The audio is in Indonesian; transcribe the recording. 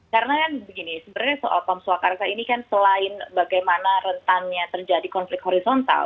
karena kan begini sebenarnya soal pam swakarsa ini kan selain bagaimana rentannya terjadi konflik horizontal